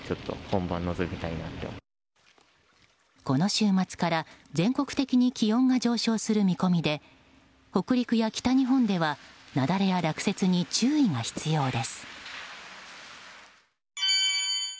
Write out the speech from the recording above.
この週末から全国的に気温が上昇する見込みで北陸や北日本では雪崩や落雪に注意が必要です。